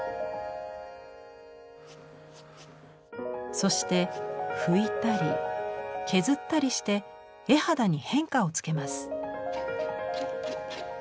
そして拭いたり削ったりして絵肌に変化をつけます。